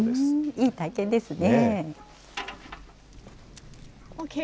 いい体験ですね。